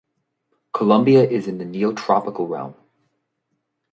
Colombia is in the Neotropical realm.